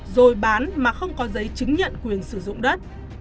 rồi bán mà không có giấy chứng nhận quyền sử dụng đất